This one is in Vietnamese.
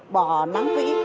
bỏ nắng kỹ